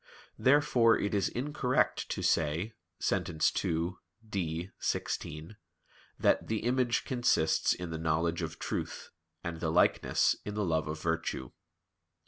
Therefore it is incorrect to say (Sent. ii, D, xvi) that "the image consists in the knowledge of truth, and the likeness in the love of virtue."